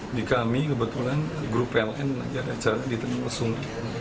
di kami kebetulan grup pln lagi ada acara di tengah lesung